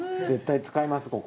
絶対使います